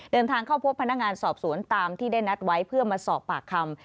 เดินทางเข้าพบพนักงานสอบสวนตามที่ได้นัดไว้เพื่อมาสอบปากคำ